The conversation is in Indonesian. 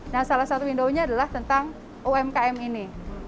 nah salah satu window nya adalah tentang umkm ini